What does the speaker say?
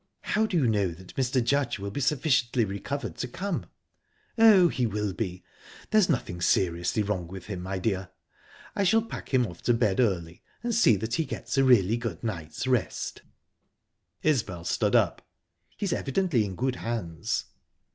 "How do you know that Mr. Judge will be sufficiently recovered to come?" "Oh, he will be. There's nothing seriously wrong with him, my dear. I shall pack him off to bed early, and see that he gets a real good night's rest." Isbel stood up. "He's evidently in good hands."